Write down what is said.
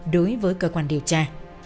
đối với cơ quan điều tra